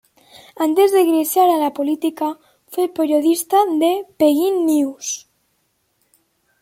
Antes de ingresar a la política, fue periodista de "Penguin News".